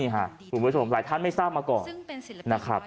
หลายท่านไม่ทราบมาก่อน